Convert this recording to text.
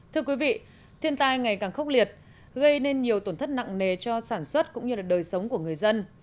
thưa quý vị thiên tai ngày càng khốc liệt gây nên nhiều tổn thất nặng nề cho sản xuất cũng như đời sống của người dân